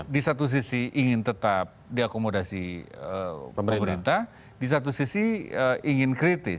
di satu sisi ingin tetap diakomodasi pemerintah di satu sisi ingin kritis